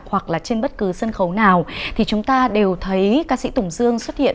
hoặc là trên bất cứ sân khấu nào thì chúng ta đều thấy ca sĩ tùng dương xuất hiện